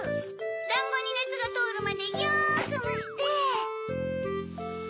だんごにねつがとおるまでよくむして。